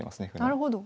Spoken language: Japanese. なるほど。